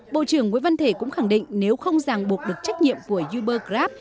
bộ trưởng nguyễn văn thể cũng khẳng định nếu không giàn bột được trách nhiệm của uber grab